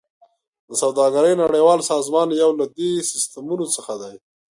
د سوداګرۍ نړیوال سازمان یو له دې سیستمونو څخه دی